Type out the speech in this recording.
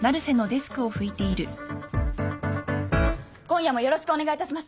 今夜もよろしくお願いいたします！